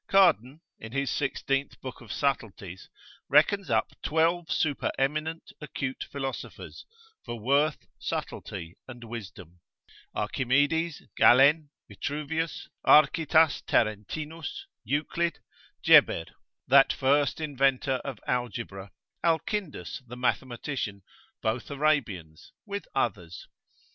Cardan, in his Sixteenth Book of Subtleties, reckons up twelve supereminent, acute philosophers, for worth, subtlety, and wisdom: Archimedes, Galen, Vitruvius, Architas Tarentinus, Euclid, Geber, that first inventor of Algebra, Alkindus the Mathematician, both Arabians, with others.